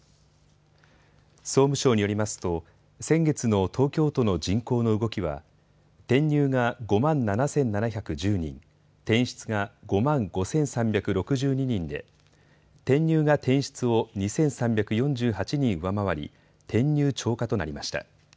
総務省によりますと先月の東京都の人口の動きは転入が５万７７１０人、転出が５万５３６２人で転入が転出を２３４８人上回り転入超過となりました。